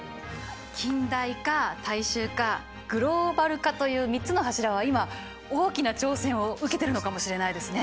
近代化大衆化グローバル化という３つの柱は今大きな挑戦を受けてるのかもしれないですね。